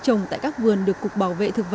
chúng ta đã nói về dịch vụ